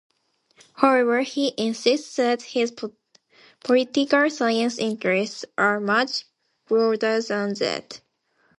However, he insists that his political science interests are much broader than that.